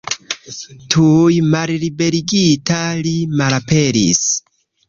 Tuj malliberigita, li malaperis.